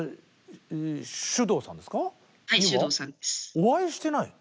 お会いしてない？